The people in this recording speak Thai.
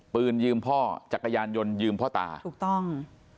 ปืนยืมพ่อจักรยานยนต์ยืมพ่อตาถูกต้อง